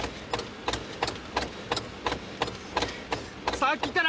さっきから。